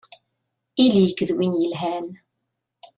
Ili-k d win yelhan!